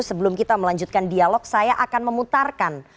sebelum kita melanjutkan dialog saya akan memutarkan